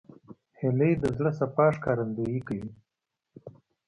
هیلۍ د زړه صفا ښکارندویي کوي